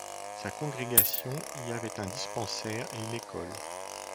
Sa congrégation y avait un dispensaire et une école.